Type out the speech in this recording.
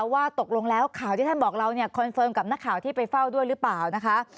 ว่าตกลงแล้วข่าวที่ท่านบอกเราเนี่ยคอนเฟิร์มกับนักข่าวที่ไปเฝ้าด้วยหรือเปล่านะคะ